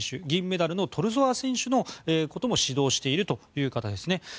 銀メダルのトゥルソワ選手のことも指導しているという方です。